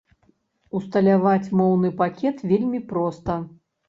Усталяваць моўны пакет вельмі проста.